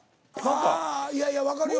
いやいやわかるよ。